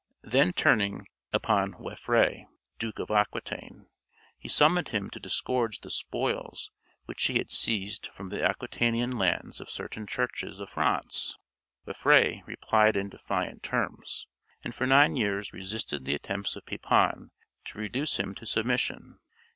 Then turning upon Waifre, Duke of Aquitaine, he summoned him to disgorge the spoils which he had seized from the Aquitanian lands of certain churches of France. Waifre replied in defiant terms, and for nine years resisted the attempts of Pepin to reduce him to submission.